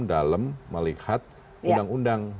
dalam melihat undang undang